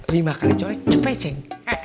lima kali colek cup ceng